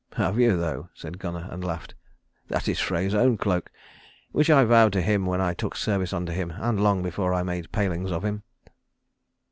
"Have you though?" said Gunnar, and laughed. "That is Frey's own cloak, which I vowed to him when I took service under him, and long before I made palings of him."